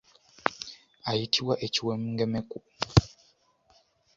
Ayitibwa ekiwengemeku.